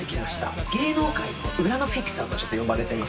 芸能界の裏のフィクサーとちょっと呼ばれてます。